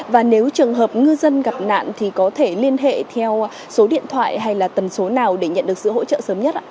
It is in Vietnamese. và nếu trường hợp ngư dân gặp nạn thì có thể liên hệ theo số điện thoại hay là tần số nào để nhận được sự hỗ trợ sớm nhất ạ